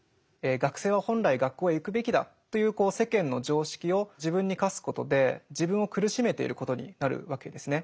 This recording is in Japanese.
学生は本来学校へ行くべきだという世間の常識を自分に課すことで自分を苦しめていることになるわけですね。